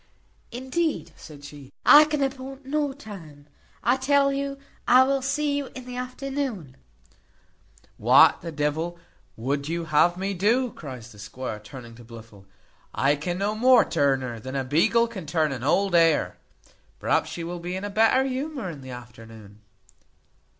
"Indeed," said she, "I can appoint no time. I tell you I will see you in the afternoon." "What the devil would you have me do?" cries the squire, turning to Blifil; "I can no more turn her, than a beagle can turn an old hare. Perhaps she will be in a better humour in the afternoon."